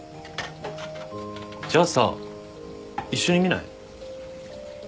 じゃあさ一緒に見ない？